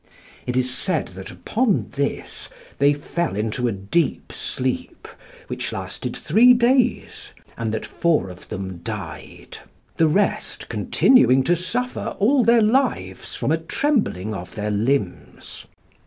It is said that, upon this, they fell into a deep sleep, which lasted three days, and that four of them died; the rest continuing to suffer all their lives from a trembling of their limbs.